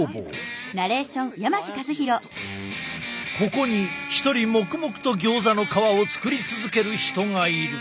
ここに一人黙々とギョーザの皮を作り続ける人がいる。